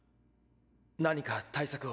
何か対策を。